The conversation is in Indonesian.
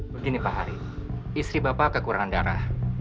begini pak hari istri bapak kekurangan darah